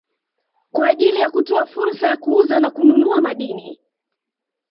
kwa ajili ya kutoa fursa ya kuuza na kununua madini